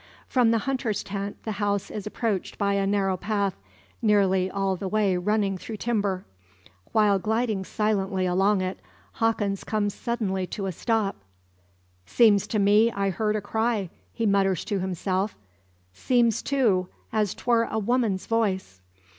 From the hunter's tent, the house is approached by a narrow path, nearly all the way running through timber. While gliding silently along it, Hawkins comes suddenly to a stop. "Seems to me I heard a cry," he mutters to himself; "seems, too, as 'twar a woman's voice."